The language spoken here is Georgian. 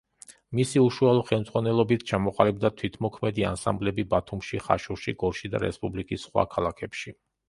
მისი უშუალო ხელმძღვანელობით ჩამოყალიბდა თვითმოქმედი ანსამბლები ბათუმში, ხაშურში, გორში და რესპუბლიკის სხვა ქალაქებში.